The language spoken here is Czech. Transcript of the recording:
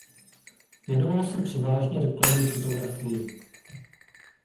Věnoval se převážně reklamní fotografii.